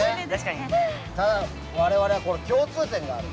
ただ我々、共通点がある。